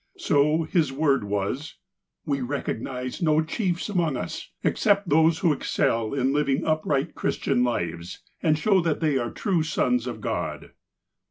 So, his word was :" We recognize no chiefs among us, except those who excel in living upright Christian lives, and show that they are true sons of God."